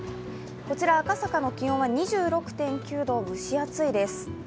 こちら赤坂の気温は２６．９度、蒸し暑いです。